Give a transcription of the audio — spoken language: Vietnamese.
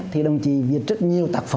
thì đồng chí viết rất nhiều tác phẩm